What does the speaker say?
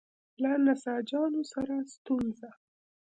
له نساجانو سره ستونزه.